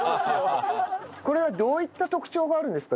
これはどういった特徴があるんですか？